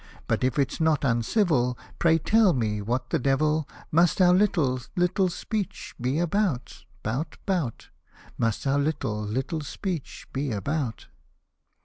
But, if it's not uncivil, Pray tell me .what the devil Must our little, little speech be about, bout, bout, Must our little, little speech be about